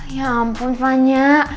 ya ampun vanya